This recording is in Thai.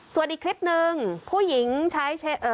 ส่วนอีกคลิปหนึ่งผู้หญิงใช้เอ่อ